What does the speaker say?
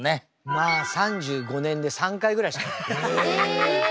まあ３５年で３回ぐらいしかない。え！？